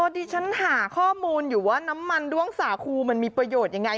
ดิฉันหาข้อมูลอยู่ว่าน้ำมันด้วงสาคูมันมีประโยชน์ยังไง